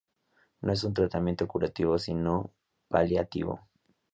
No es un tratamiento curativo sino paliativo.